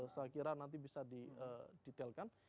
saya kira nanti bisa didetailkan